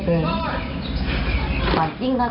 กรนานห์กวาแดนะครับ